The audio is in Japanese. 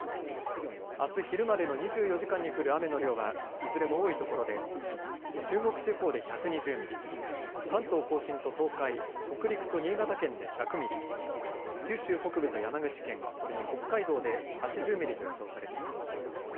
あす昼までの２４時間に降る雨の量はいずれも多いところで中国地方で１２０ミリ、関東甲信と東海、北陸と新潟県で１００ミリ、九州北部と山口県、それに北海道で８０ミリと予想されています。